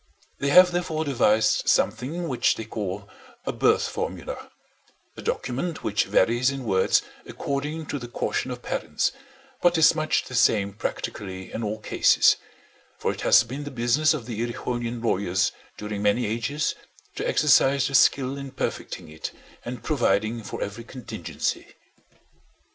They have therefore devised something which they call a birth formula—a document which varies in words according to the caution of parents, but is much the same practically in all cases; for it has been the business of the Erewhonian lawyers during many ages to exercise their skill in perfecting it and providing for every contingency.